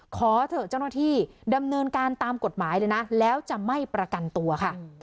ขอเถอะเจ้าหน้าที่ดำเนินการตามกฎหมายเลยนะแล้วจะไม่ประกันตัวค่ะ